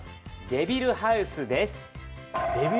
「デビルハウス」です。